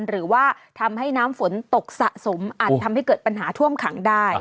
หรือว่าทำให้น้ำฝนตกสะสมอาจทำให้เกิดปัญหาท่วมขังได้